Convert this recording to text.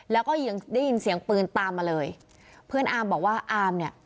แล้วก็ยังได้ยินเสียงปืนตามมาเลยเพื่อนอาร์มบอกว่าอามเนี่ย